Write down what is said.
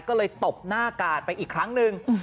ก็เลยตบหน้ากาดไปอีกครั้งหนึ่ง